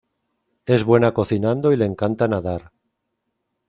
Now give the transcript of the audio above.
Es buena cocinando y le encanta nadar.